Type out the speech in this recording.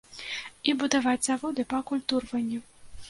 І будаваць заводы па акультурванні.